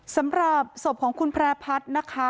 สำหรับศพของคุณแพร่พัฒน์นะคะ